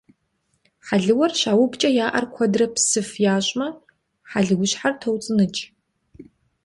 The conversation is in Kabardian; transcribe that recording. Хьэлыуэр щаубэкӀэ я Ӏэр куэдрэ псыф ящӀмэ, хьэлыуащхьэр тоуцӀы-ныкӀ.